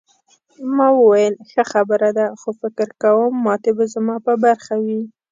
ما وویل ښه خبره ده خو فکر کوم ماتې به زما په برخه وي.